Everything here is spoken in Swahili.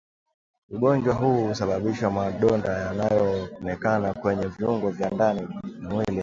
Ugonjwa huu hausababishi madonda yanayoonekana kwenye viungo vya ndani ya mwili